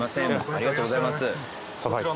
ありがとうございます。